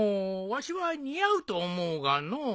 わしは似合うと思うがのう。